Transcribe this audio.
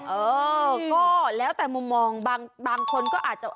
เออก็แล้วแต่มุมมองบางคนก็อาจจะ